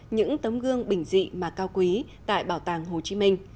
những tấm gương bình dị mà cao quý tại bảo tàng hồ chí minh